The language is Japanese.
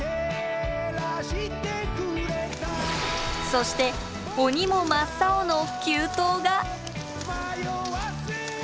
そして鬼も真っ青の急登が。